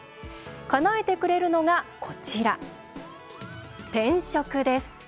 かなえてくれるのがこちら、転職です。